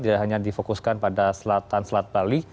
tidak hanya difokuskan pada selatan selat bali